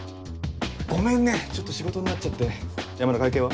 ごめんねちょっと仕事になっちゃって山田会計は？